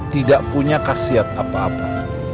tidak punya khasiat apa apa